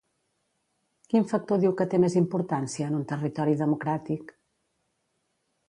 Quin factor diu que té més importància en un territori democràtic?